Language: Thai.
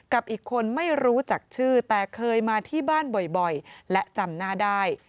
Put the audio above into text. กับอีกคนไม่รู้จักชื่อแต่เคยมาที่บ้านบ่อยและจำหน้าได้